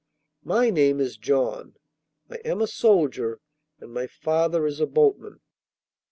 'My name is John. I am a soldier, and my father is a boatman.